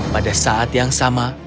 pada saat yang sama